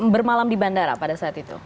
bermalam di bandara pada saat itu